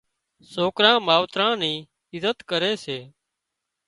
سوڪران ماوتران ني عزت ڪري سي